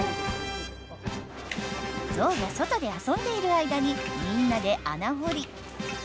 ゾウが外で遊んでいる間にみんなで穴掘り！